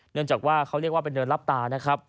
เนื่องจากว่าเขาเรียกว่าเป็นเนินรับตานะครับ